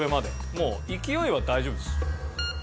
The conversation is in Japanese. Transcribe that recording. もう勢いは大丈夫です。